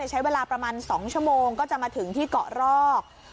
ใช้เวลาประมาณ๒ชั่วโมงก็จะมาถึงที่เกาะรอก